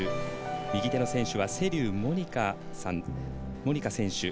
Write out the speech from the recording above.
右手の選手は瀬立モニカ選手。